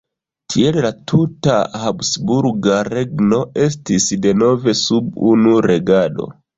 Tiel la tuta habsburga regno estis denove sub unu regado.